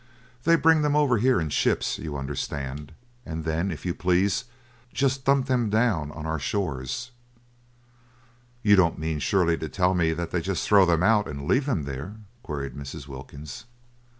They bring them over here—in ships, you understand—and then, if you please, just dump them down upon our shores." "You don't mean surely to tell me that they just throw them out and leave them there?" queried Mrs. Wilkins.